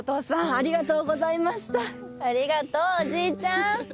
ありがとうおじいちゃん。